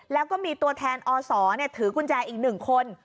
แล้วก็มีตัวแทนอศถือกุญแจอีก๑คน